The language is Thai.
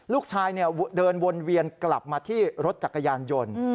ลูกชายเดินวนเวียนกลับมาที่รถจักรยานยนต์